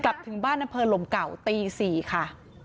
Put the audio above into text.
กลับถึงบ้านเที่ยงเพลิลมเก่าตี๔ค่ะ